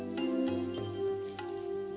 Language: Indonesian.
janganlah kau berguna